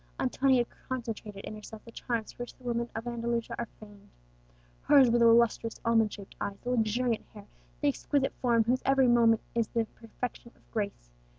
Antonia concentrated in herself the charms for which the women of Andalusia are famed. Hers were the lustrous almond shaped eyes, the luxuriant hair, the exquisite form whose every movement is the perfection of grace.